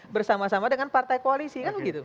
bersama sama dengan partai koalisi kan begitu